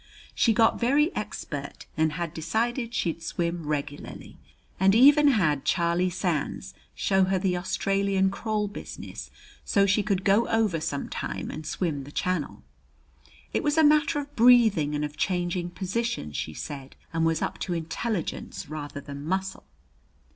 She got very expert, and had decided she'd swim regularly, and even had Charlie Sands show her the Australian crawl business so she could go over some time and swim the Channel. It was a matter of breathing and of changing positions, she said, and was up to intelligence rather than muscle.